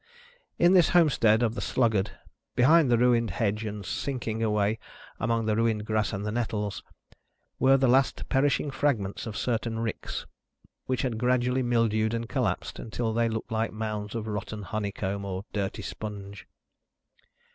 In this homestead of the sluggard, behind the ruined hedge, and sinking away among the ruined grass and the nettles, were the last perishing fragments of certain ricks: which had gradually mildewed and collapsed, until they looked like mounds of rotten honeycomb, or dirty sponge.